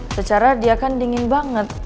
secara dia kan dingin banget